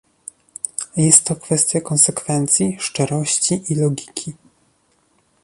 Jest to kwestia konsekwencji, szczerości i logiki